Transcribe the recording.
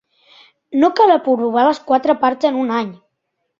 No cal aprovar les quatre parts en un any.